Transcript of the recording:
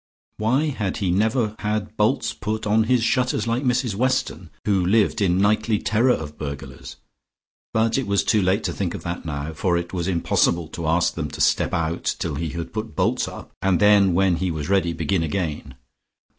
Why had he never had bolts put on his shutters, like Mrs Weston, who lived in nightly terror of burglars? But it was too late to think of that now, for it was impossible to ask them to step out till he had put bolts up, and then when he was ready begin again.